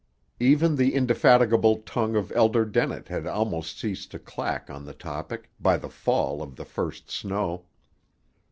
Even the indefatigable tongue of Elder Dennett had almost ceased to clack on the topic, by the fall of the first snow.